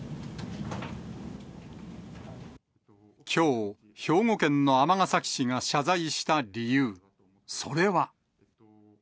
きょう、兵庫県の尼崎市が謝罪した理由、それは。